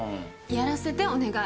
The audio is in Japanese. やらせてお願い。